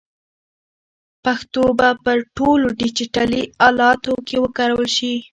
پښتو به په ټولو ډیجیټلي الاتو کې وکارول شي.